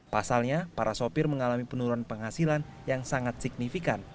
pasalnya para sopir mengalami penurunan penghasilan yang sangat signifikan